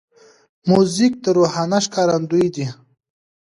موزیک د روحانه ښکارندوی دی.